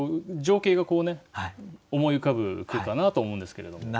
情景がこうね思い浮かぶ句かなと思うんですけれども。